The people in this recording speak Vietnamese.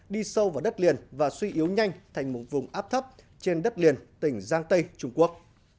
đi sâu vào đất liền và suy yếu nhanh thành một vùng áp thấp trên đất liền tỉnh giang tây trung quốc